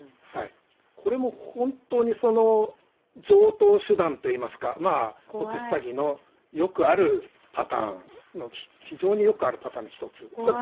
これも本当にその、常とう手段といいますか、まあ、特殊詐欺のよくあるパターン、非常によくあるパターンの一つですね。